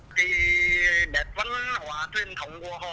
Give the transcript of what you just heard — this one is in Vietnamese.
thì nét văn hóa truyền thống của họ